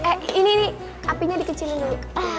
eh ini apinya dikecilin dulu